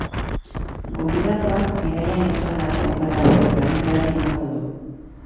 Gonbidatuak, bidaian izandako hainbat abenturaren berri emango du.